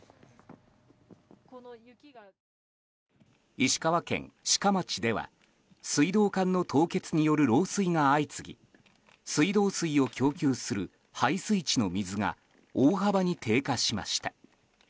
石川県志賀町では水道管の凍結による漏水が相次ぎ水道水を供給する配水池の水が大幅に低下しました。